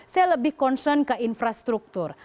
saya lebih concern ke infrastruktur